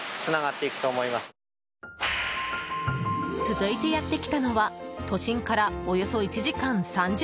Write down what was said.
続いてやってきたのは都心から、およそ１時間３０分